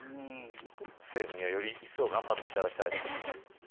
政府には、よりいっそう頑張っていただきたいです。